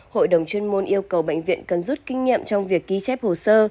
hội đồng chuyên môn yêu cầu bệnh viện cần rút kinh nghiệm trong việc ghi chép hồ sơ